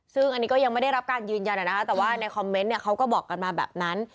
ซึ่งอันนี้ก็ยังไม่ได้รับการยืนยันแต่ว่าในคอมเมนต์เนี่ยเขาก็บอกกันมาแบบนั้น